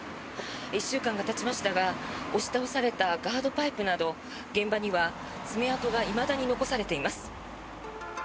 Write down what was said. １週間がたちましたが押し倒されたガードパイプなど現場には爪痕がいまだに残されています。